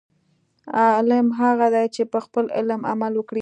عالم هغه دی، چې په خپل علم عمل وکړي.